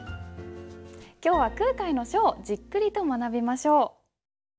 今日は空海の書をじっくりと学びましょう。